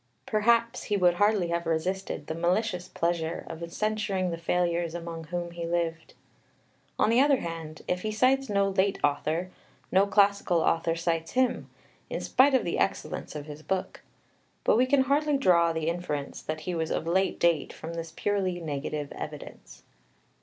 Perhaps he would hardly have resisted the malicious pleasure of censuring the failures among whom he lived. On the other hand, if he cites no late author, no classical author cites him, in spite of the excellence of his book. But we can hardly draw the inference that he was of late date from this purely negative evidence.